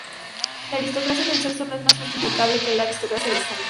La aristocracia de sexo, no es más justificable que la aristocracia de sangre.